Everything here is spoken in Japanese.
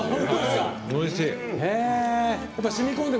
おいしい。